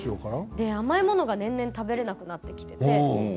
甘いものが年々食べられなくなってきて。